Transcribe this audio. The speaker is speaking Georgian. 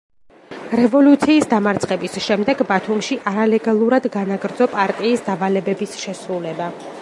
რევოლუციის დამარცხების შემდეგ ბათუმში არალეგალურად განაგრძო პარტიის დავალებების შესრულება.